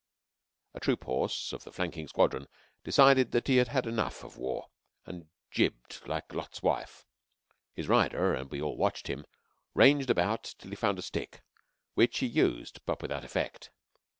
A troop horse of a flanking squadron decided that he had had enough of war, and jibbed like Lot's wife. His rider (we all watched him) ranged about till he found a stick, which he used, but without effect.